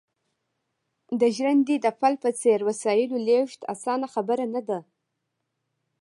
د ژرندې د پل په څېر وسایلو لېږد اسانه خبره نه ده